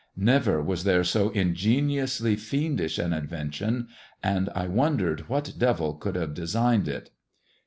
Never was there so ingeniously fiendish an invention, and I wondered what devil could have designed it.